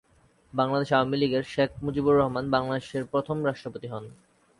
বাংলাদেশ আওয়ামী লীগের শেখ মুজিবুর রহমান বাংলাদেশের প্রথম রাষ্ট্রপতি হন।